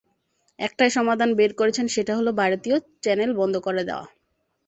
একটাই সমাধান বের করেছেন সেটা হলো, ভারতীয় চ্যানেল বন্ধ করে দেওয়া।